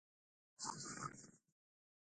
د کابل سیند د افغانستان د چاپیریال ساتنې لپاره مهم دي.